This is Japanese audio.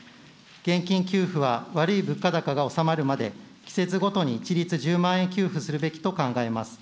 現金給付は悪い物価高が収まるまで、季節ごとに一律１０万円給付すべきと考えます。